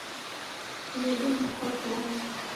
W'edenekwa w'ulalo.